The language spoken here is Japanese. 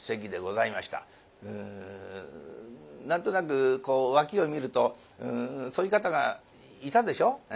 何となくこう脇を見るとそういう方がいたでしょ？